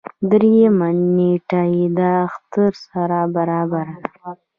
دريیمه نېټه یې د اختر سره برابره ده.